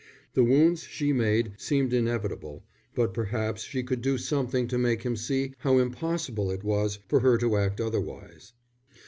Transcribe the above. The wounds she made seemed inevitable, but perhaps she could do something to make him see how impossible it was for her to act otherwise.